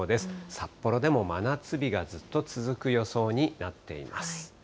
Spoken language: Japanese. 札幌でも真夏日がずっと続く予想になっています。